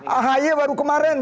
ahi baru kemarin